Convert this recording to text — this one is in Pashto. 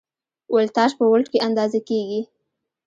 ولتاژ په ولټ کې اندازه کېږي.